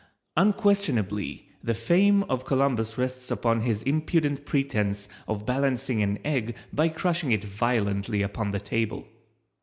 Unquestionably the fame of Columbus rests upon his impudent pretense of balancing an egg by crushing it violently upon the table.